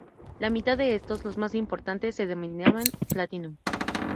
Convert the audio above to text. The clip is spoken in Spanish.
La mitad de estos, los más importantes, se denominan "Platinum".